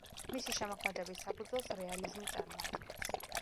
მისი შემოქმედების საფუძველს რეალიზმი წარმოადგენს.